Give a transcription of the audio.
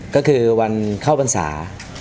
ก็คือวันเข้าพรรษา